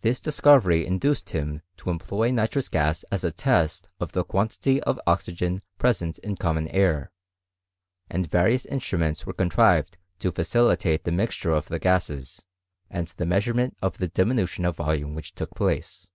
This discovery in Sliced him to employ nitrous gas as a test of the ountity of oxygen present in common air; and various lottruments were contrived to facilitate the mixture of the gases, and the measurement of the diminution of volume which took place.